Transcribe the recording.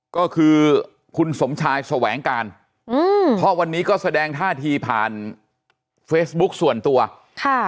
ก็คือคุณสมชายแสวงการอืมเพราะวันนี้ก็แสดงท่าทีผ่านเฟซบุ๊กส่วนตัวค่ะ